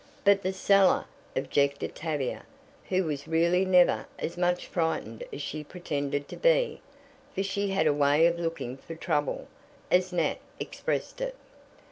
"But the cellar," objected Tavia, who was really never as much frightened as she pretended to be, for she had a way of "looking for trouble," as Nat expressed it.